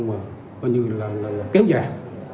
coi như là kéo dài